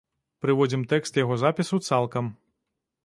Прыводзім тэкст яго запісу цалкам.